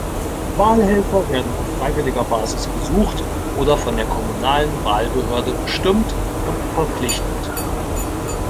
Wahlhelfer werden auf freiwilliger Basis gesucht oder von der kommunalen Wahlbehörde bestimmt und verpflichtet.